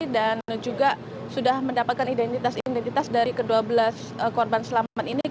dan juga sudah mendapatkan identitas identitas dari kedua belas korban selamat ini